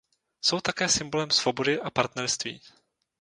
Jsou také symbolem svobody a partnerství.